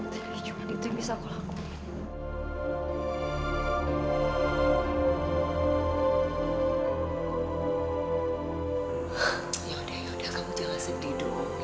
tapi cuma itu yang bisa aku lakuin